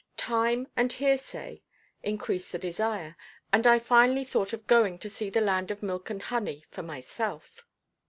Time and heresay increased the desire, and I finally thought of going to see the land of milk and honey for myself.